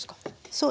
そう。